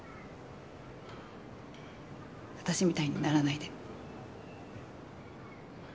私みたいにならないで。